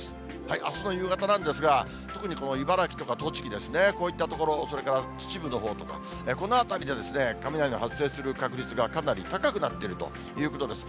あすの夕方なんですが、特にこの茨城とか栃木ですね、こういった所、それから秩父のほうとか、この辺りで、雷の発生する確率がかなり高くなっているということです。